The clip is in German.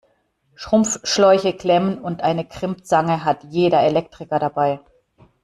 Schrumpfschläuche, Klemmen und eine Crimpzange hat jeder Elektriker dabei.